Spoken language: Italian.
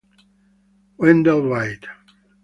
Wendell White